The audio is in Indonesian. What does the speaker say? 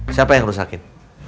siapa yang rusakin